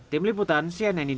tim liputan cnn indonesia